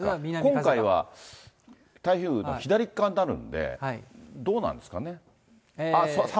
今回は、太平洋、左っ側になるんで、どうなんですかね。